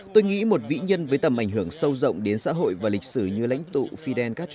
tôi nghĩ một vĩ nhân với tầm ảnh hưởng sâu rộng đến xã hội và lịch sử như lãnh tụ fidel castro